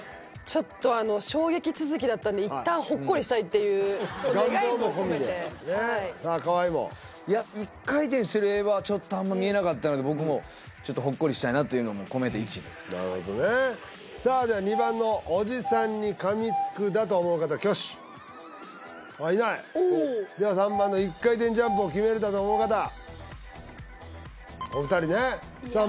ちょっとあの衝撃続きだったんで願いも込めて願望も込めてさあ河井も１回転してる絵はちょっとあんま見えなかったので僕もちょっとほっこりしたいなっていうのも込めて１ですなるほどねさあでは２番のおじさんにかみつくだと思う方挙手ああいないでは３番の１回転ジャンプを決めるだと思う方お二人ねさあ